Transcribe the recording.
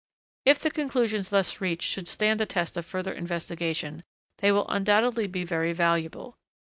If the conclusions thus reached should stand the test of further investigation, they will undoubtedly be very valuable.